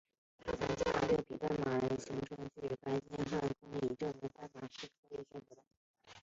他曾经驾着由六匹斑马驾的马车去白金汉宫以证明斑马是可以驯服的。